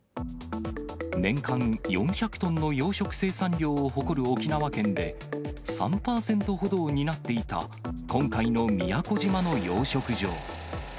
年間４００トンの養殖生産量を誇る沖縄県で、３％ほどを担っていた今回の宮古島の養殖場。